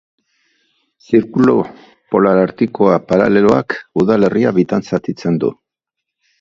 Zirkulu Polar Artikoa paraleloak udalerria bitan zatitzen du.